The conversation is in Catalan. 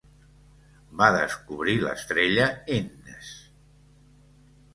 Va descobrir l"estrella Innes.